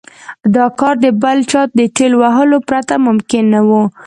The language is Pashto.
دا کار د بل چا د ټېل وهلو پرته ممکن نه و.